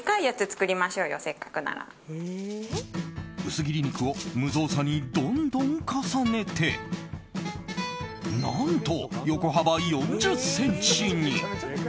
薄切り肉を無造作にどんどん重ねて何と、横幅４０ｃｍに！